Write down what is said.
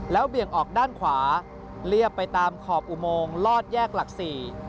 เบี่ยงออกด้านขวาเรียบไปตามขอบอุโมงลอดแยกหลักสี่